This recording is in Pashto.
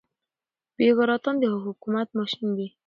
بيوکراتان د حکومت ماشين دي.